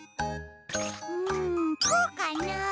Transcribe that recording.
うんこうかな？